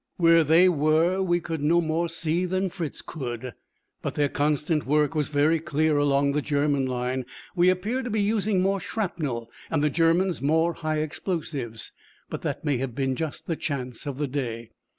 Where they were we could no more see than Fritz could, but their constant work was very clear along the German line. We appeared to be using more shrapnel and the Germans more high explosives, but that may have been just the chance of the day.